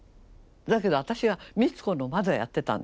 だけど私が「光子の窓」やってたんです。